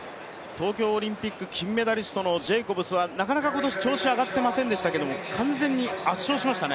東京オリンピック金メダリストのジェイコブスはなかなか今年調子が上がっていませんでしたけど、完全に圧勝しましたね。